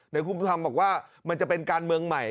เดี๋ยวคุณภูมิธรรมบอกว่ามันจะเป็นการเมืองใหม่